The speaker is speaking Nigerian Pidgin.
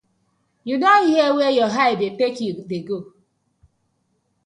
Yu don hear where yur eye dey tak you dey go.